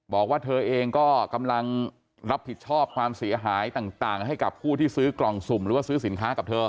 บอกว่าเธอเองก็กำลังรับผิดชอบความเสียหายต่างให้กับผู้ที่ซื้อกล่องสุ่มหรือว่าซื้อสินค้ากับเธอ